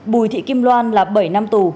bùi thị kim loan là bảy năm tù